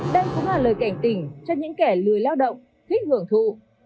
đây cũng là lời cảnh tỉnh cho những kẻ lười lao động thích hưởng thụ